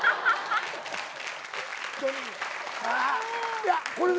いやこれね